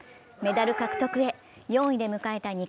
メダル獲得へ、４位で迎えた